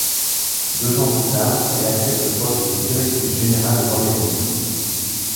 Deux ans plus tard, elle accepte le poste de directrice générale de l'organisme.